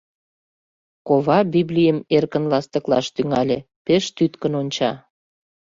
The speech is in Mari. Кова Библийым эркын ластыклаш тӱҥале, пеш тӱткын онча.